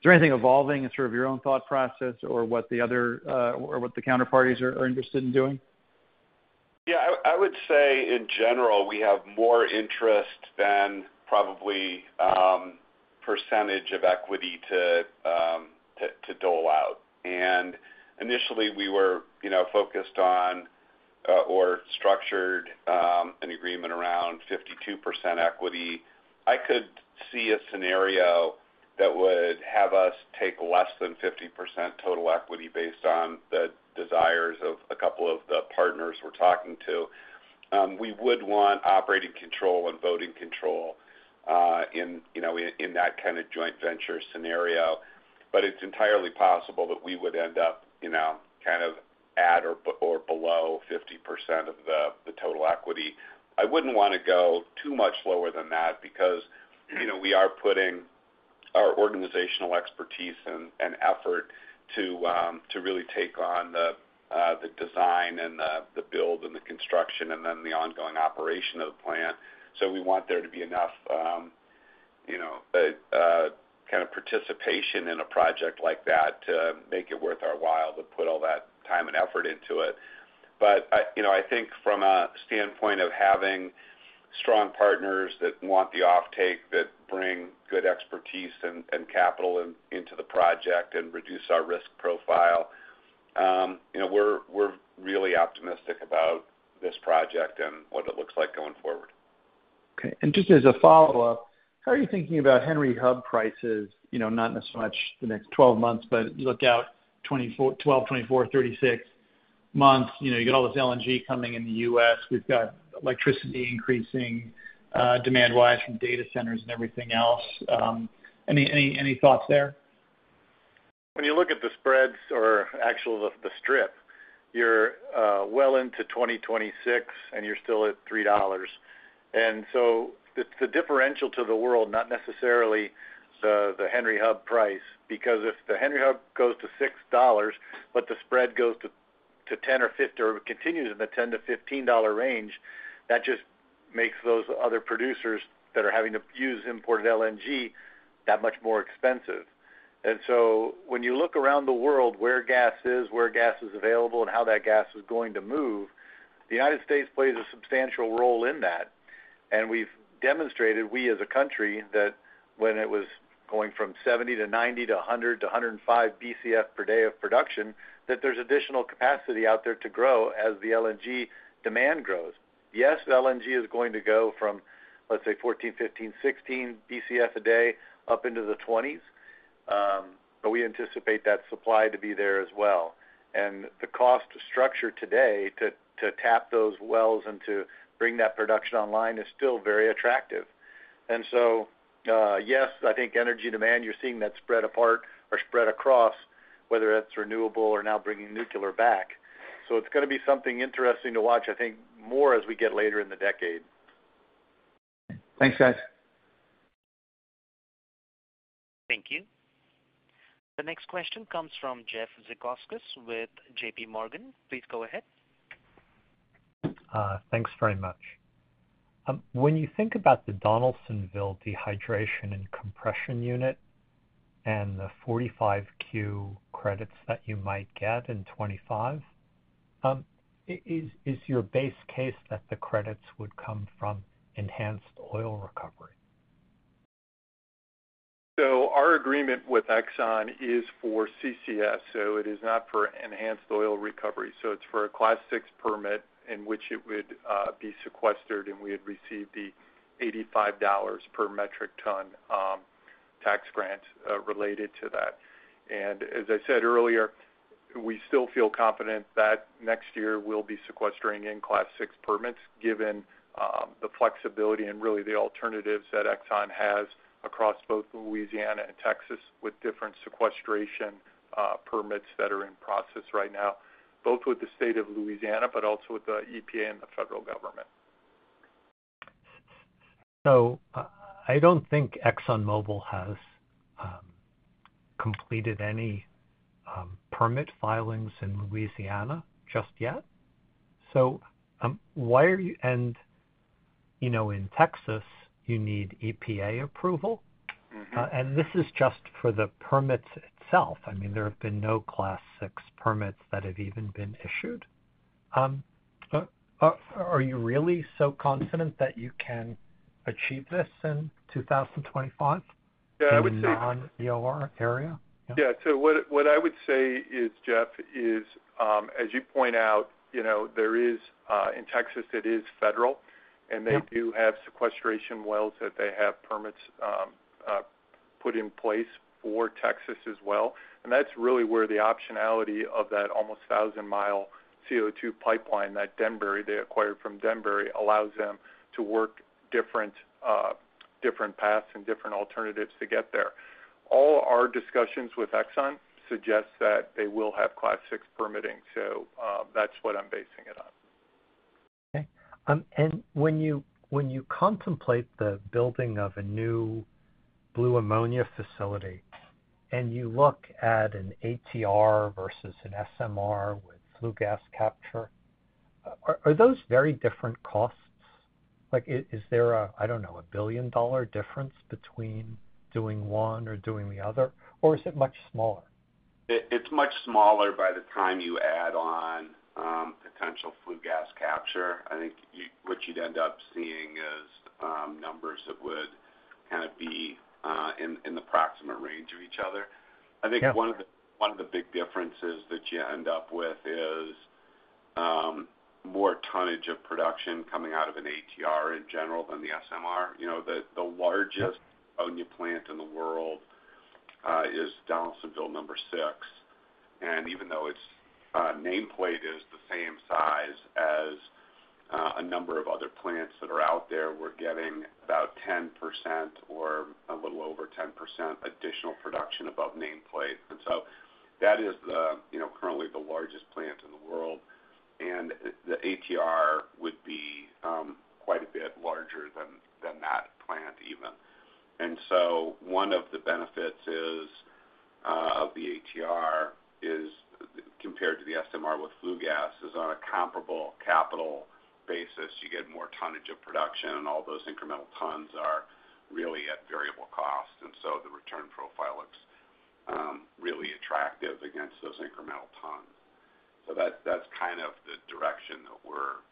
Is there anything evolving in sort of your own thought process or what the counterparties are interested in doing? Yeah. I would say in general, we have more interest than probably percentage of equity to dole out. And initially, we were focused on or structured an agreement around 52% equity. I could see a scenario that would have us take less than 50% total equity based on the desires of a couple of the partners we're talking to. We would want operating control and voting control in that kind of joint venture scenario. But it's entirely possible that we would end up kind of at or below 50% of the total equity. I wouldn't want to go too much lower than that because we are putting our organizational expertise and effort to really take on the design and the build and the construction and then the ongoing operation of the plant. So we want there to be enough kind of participation in a project like that to make it worth our while to put all that time and effort into it. But I think from a standpoint of having strong partners that want the off-take, that bring good expertise and capital into the project and reduce our risk profile, we're really optimistic about this project and what it looks like going forward. Okay. And just as a follow-up, how are you thinking about Henry Hub prices, not so much in the next 12 months, but you look out 12, 24, 36 months? You get all this LNG coming in the U.S. We've got electricity increasing demand-wise from data centers and everything else. Any thoughts there? When you look at the spreads or actually the strip, you're well into 2026, and you're still at $3. And so it's the differential to the world, not necessarily the Henry Hub price. Because if the Henry Hub goes to $6, but the spread goes to 10 or 15 or continues in the $10-$15 range, that just makes those other producers that are having to use imported LNG that much more expensive. And so when you look around the world where gas is, where gas is available, and how that gas is going to move, the United States plays a substantial role in that. And we've demonstrated, we as a country, that when it was going from 70 to 90 to 100 to 105 BCF per day of production, that there's additional capacity out there to grow as the LNG demand grows. Yes, LNG is going to go from, let's say, 14, 15, 16 BCF a day up into the 20s, but we anticipate that supply to be there as well, and the cost structure today to tap those wells and to bring that production online is still very attractive, and so yes, I think energy demand, you're seeing that spread apart or spread across, whether it's renewable or now bringing nuclear back, so it's going to be something interesting to watch, I think, more as we get later in the decade. Thanks, guys. Thank you. The next question comes from Jeffrey Zekauskas with JPMorgan. Please go ahead. Thanks very much. When you think about the Donaldsonville dehydration and compression unit and the 45Q credits that you might get in 2025, is your base case that the credits would come from enhanced oil recovery? Our agreement with Exxon is for CCS. It is not for enhanced oil recovery. It's for a Class VI permit in which it would be sequestered, and we had received the $85 per metric ton tax grants related to that. As I said earlier, we still feel confident that next year we'll be sequestering in Class VI permits given the flexibility and really the alternatives that Exxon has across both Louisiana and Texas with different sequestration permits that are in process right now, both with the state of Louisiana, but also with the EPA and the federal government. I don't think ExxonMobil has completed any permit filings in Louisiana just yet. So why are you and in Texas you need EPA approval. And this is just for the permits itself. I mean, there have been no Class VI permits that have even been issued. Are you really so confident that you can achieve this in 2025? Yeah. I would say. In the EOR area? Yeah. So what I would say is, Jeff, is as you point out, there is, in Texas, it is federal. And they do have sequestration wells that they have permits put in place for Texas as well. And that's really where the optionality of that almost 1,000-mile CO2 pipeline, that Denbury they acquired from Denbury, allows them to work different paths and different alternatives to get there. All our discussions with Exxon suggest that they will have Class VI permitting. So that's what I'm basing it on. Okay. And when you contemplate the building of a new Blue Ammonia facility and you look at an ATR versus an SMR with flue gas capture, are those very different costs? Is there, I don't know, a billion-dollar difference between doing one or doing the other? Or is it much smaller? It's much smaller by the time you add on potential flue gas capture. I think what you'd end up seeing is numbers that would kind of be in the proximate range of each other. I think one of the big differences that you end up with is more tonnage of production coming out of an ATR in general than the SMR. The largest ammonia plant in the world is Donaldsonville No. 6, and even though its nameplate is the same size as a number of other plants that are out there, we're getting about 10% or a little over 10% additional production above nameplate, and so that is currently the largest plant in the world, and the ATR would be quite a bit larger than that plant even. And so one of the benefits of the ATR is compared to the SMR with flue gas is on a comparable capital basis, you get more tonnage of production, and all those incremental tons are really at variable cost. And so the return profile looks really attractive against those incremental tons. So that's kind of the direction that we're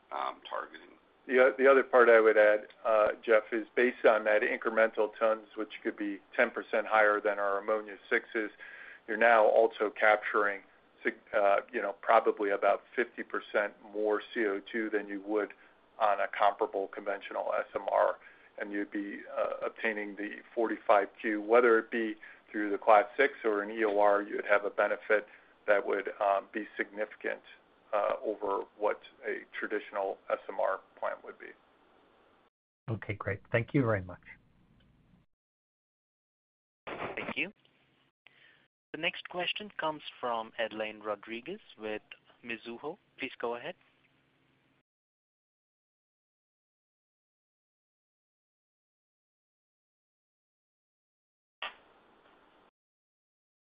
targeting. The other part I would add, Jeff, is based on that incremental tons, which could be 10% higher than our Ammonia 6's. You're now also capturing probably about 50% more CO2 than you would on a comparable conventional SMR, and you'd be obtaining the 45Q, whether it be through the Class VI or an EOR. You would have a benefit that would be significant over what a traditional SMR plant would be. Okay. Great. Thank you very much. Thank you. The next question comes from Edlain Rodriguez with Mizuho. Please go ahead.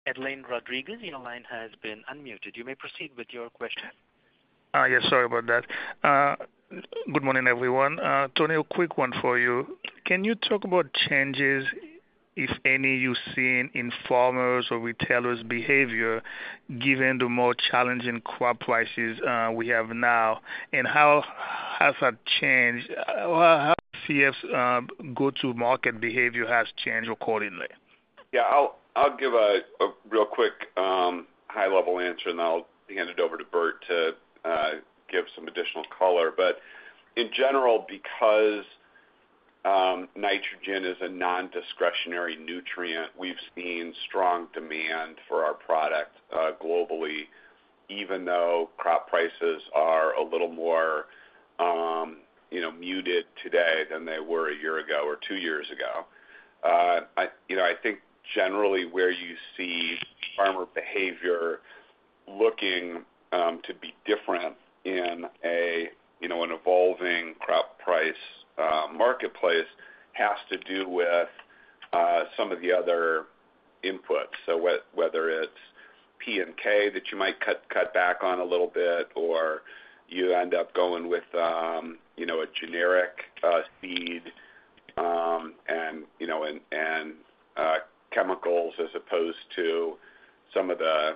Edlain Rodriguez, your line has been unmuted. You may proceed with your question. Yes. Sorry about that. Good morning, everyone. Tony, a quick one for you. Can you talk about changes, if any, you've seen in farmers' or retailers' behavior given the more challenging crop prices we have now, and how has that changed? How has CF's go-to-market behavior changed accordingly? Yeah. I'll give a real quick high-level answer, and I'll hand it over to Bert to give some additional color. But in general, because nitrogen is a non-discretionary nutrient, we've seen strong demand for our product globally, even though crop prices are a little more muted today than they were a year ago or two years ago. I think generally where you see farmer behavior looking to be different in an evolving crop price marketplace has to do with some of the other inputs. So whether it's P&K that you might cut back on a little bit, or you end up going with a generic seed and chemicals as opposed to some of the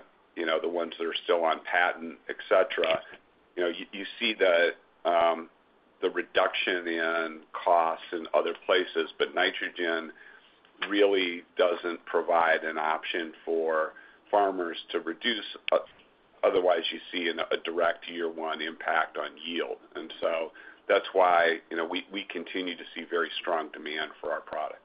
ones that are still on patent, etc., you see the reduction in costs in other places. But nitrogen really doesn't provide an option for farmers to reduce. Otherwise, you see a direct year-one impact on yield. And so that's why we continue to see very strong demand for our product.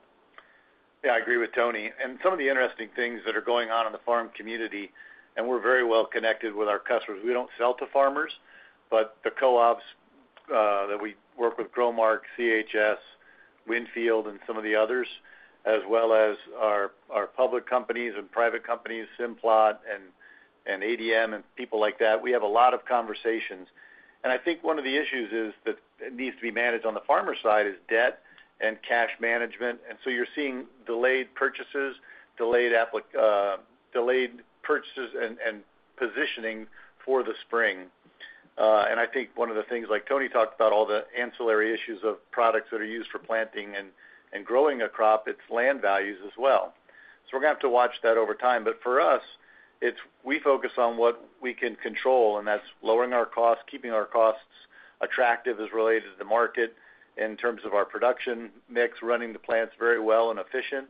Yeah. I agree with Tony. And some of the interesting things that are going on in the farm community, and we're very well connected with our customers. We don't sell to farmers, but the co-ops that we work with, Growmark, CHS, WinField, and some of the others, as well as our public companies and private companies, Simplot and ADM and people like that, we have a lot of conversations. And I think one of the issues that needs to be managed on the farmer's side is debt and cash management. And so you're seeing delayed purchases, delayed purchases, and positioning for the spring. And I think one of the things, like Tony talked about, all the ancillary issues of products that are used for planting and growing a crop. It's land values as well. So we're going to have to watch that over time. But for us, we focus on what we can control, and that's lowering our costs, keeping our costs attractive as related to the market in terms of our production mix, running the plants very well and efficient,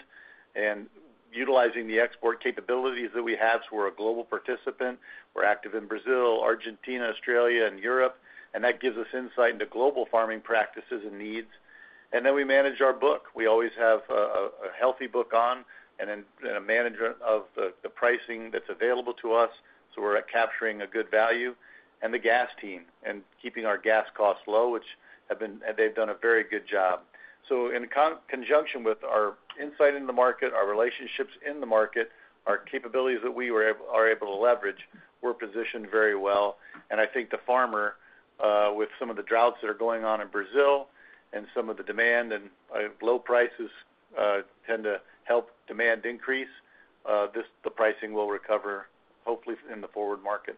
and utilizing the export capabilities that we have. So we're a global participant. We're active in Brazil, Argentina, Australia, and Europe. And that gives us insight into global farming practices and needs. And then we manage our book. We always have a healthy book on and a management of the pricing that's available to us. So we're capturing a good value. The gas team and keeping our gas costs low, which they've done a very good job. In conjunction with our insight into the market, our relationships in the market, our capabilities that we are able to leverage, we're positioned very well. I think the farmer, with some of the droughts that are going on in Brazil and some of the demand and low prices tend to help demand increase, the pricing will recover, hopefully, in the forward market.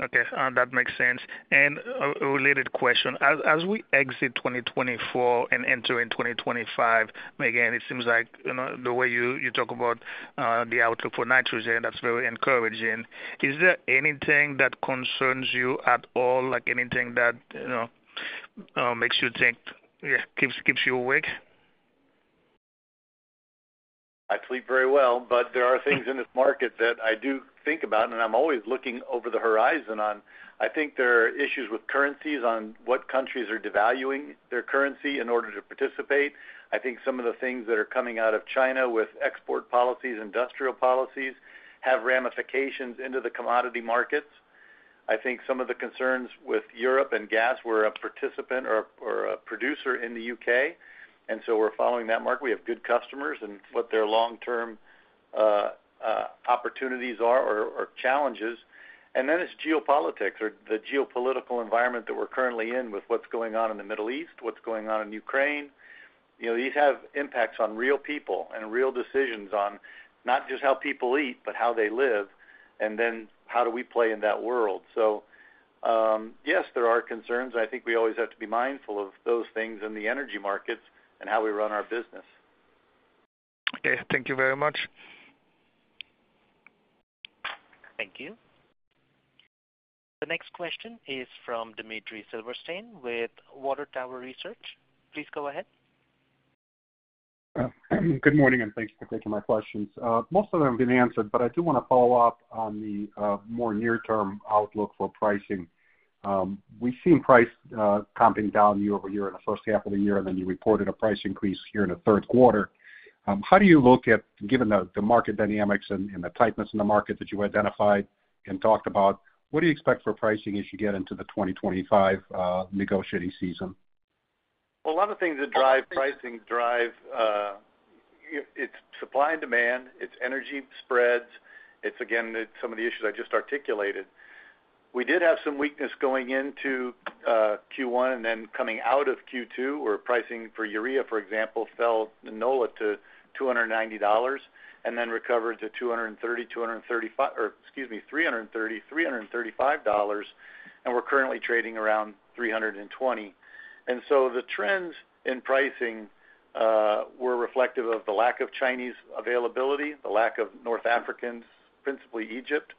Okay. That makes sense. And a related question. As we exit 2024 and enter in 2025, again, it seems like the way you talk about the outlook for nitrogen, that's very encouraging. Is there anything that concerns you at all, like anything that makes you think, yeah, keeps you awake? I sleep very well, but there are things in this market that I do think about, and I'm always looking over the horizon on. I think there are issues with currencies, on what countries are devaluing their currency in order to participate. I think some of the things that are coming out of China with export policies, industrial policies, have ramifications into the commodity markets. I think some of the concerns with Europe and gas. We're a participant or a producer in the U.K. And so we're following that market. We have good customers and what their long-term opportunities are or challenges. And then it's geopolitics or the geopolitical environment that we're currently in with what's going on in the Middle East, what's going on in Ukraine. These have impacts on real people and real decisions on not just how people eat, but how they live, and then how do we play in that world? So yes, there are concerns. I think we always have to be mindful of those things in the energy markets and how we run our business. Okay. Thank you very much. Thank you. The next question is from Dmitry Silverstein with Water Tower Research. Please go ahead. Good morning, and thank you for taking my questions. Most of them have been answered, but I do want to follow up on the more near-term outlook for pricing. We've seen prices coming down year-over-year and in the first half of the year, and then you reported a price increase here in the third quarter. How do you look at, given the market dynamics and the tightness in the market that you identified and talked about, what do you expect for pricing as you get into the 2025 negotiating season? A lot of things that drive pricing drive its supply and demand. It's energy spreads. It's, again, some of the issues I just articulated. We did have some weakness going into Q1 and then coming out of Q2, where pricing for urea, for example, fell to $290 and then recovered to $230-$235, or excuse me, $330-$335, and we're currently trading around $320. And so the trends in pricing were reflective of the lack of Chinese availability, the lack of North Africans, principally Egypt,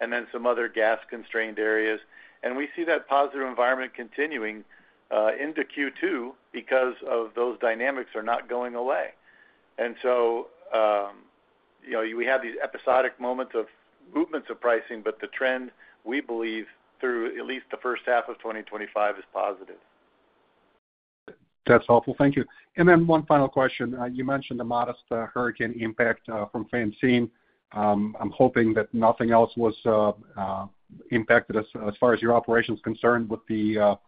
and then some other gas-constrained areas. And we see that positive environment continuing into Q2 because those dynamics are not going away. And so we have these episodic moments of movements of pricing, but the trend, we believe, through at least the first half of 2025 is positive. That's helpful. Thank you. And then one final question. You mentioned a modest hurricane impact from Francine. I'm hoping that nothing else was impacted as far as your operation is concerned with the,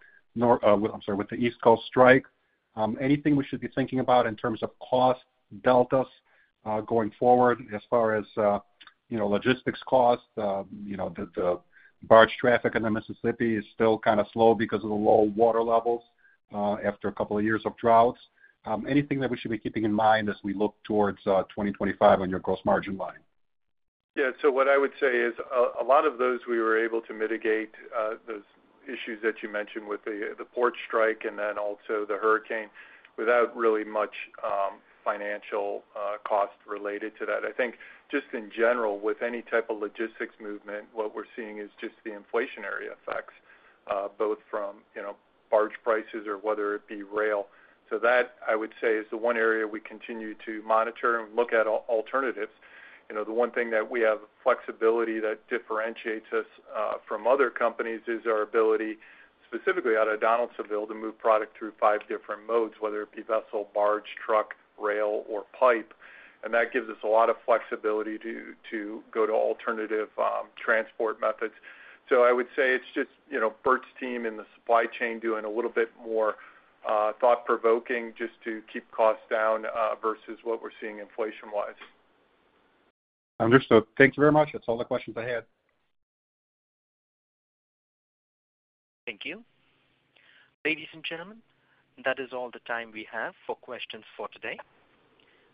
I'm sorry, with the East Coast strike. Anything we should be thinking about in terms of cost deltas going forward as far as logistics cost? The barge traffic in the Mississippi is still kind of slow because of the low water levels after a couple of years of droughts. Anything that we should be keeping in mind as we look towards 2025 on your gross margin line? Yeah. So what I would say is a lot of those we were able to mitigate, those issues that you mentioned with the port strike and then also the hurricane, without really much financial cost related to that. I think just in general, with any type of logistics movement, what we're seeing is just the inflationary effects, both from barge prices or whether it be rail. So that, I would say, is the one area we continue to monitor and look at alternatives. The one thing that we have flexibility that differentiates us from other companies is our ability, specifically out of Donaldsonville, to move product through five different modes, whether it be vessel, barge, truck, rail, or pipe. And that gives us a lot of flexibility to go to alternative transport methods. So I would say it's just Bert's team in the supply chain doing a little bit more thought-provoking just to keep costs down versus what we're seeing inflation-wise. Understood. Thank you very much. That's all the questions I had. Thank you. Ladies and gentlemen, that is all the time we have for questions for today.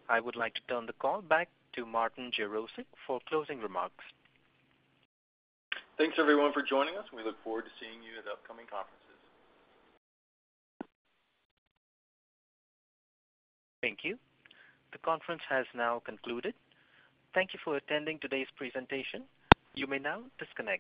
I would like to turn the call back to Martin Jarosick for closing remarks. Thanks, everyone, for joining us. We look forward to seeing you at upcoming conferences. Thank you. The conference has now concluded. Thank you for attending today's presentation. You may now disconnect.